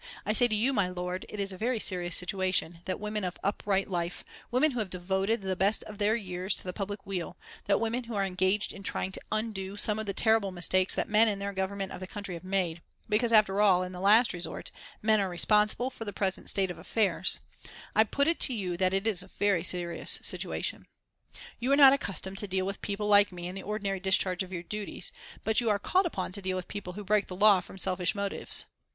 I say to you, my lord, it is a very serious situation, that women of upright life, women who have devoted the best of their years to the public weal, that women who are engaged in trying to undo some of the terrible mistakes that men in their government of the country have made, because after all, in the last resort, men are responsible for the present state of affairs I put it to you that it is a very serious situation. You are not accustomed to deal with people like me in the ordinary discharge of your duties; but you are called upon to deal with people who break the law from selfish motives.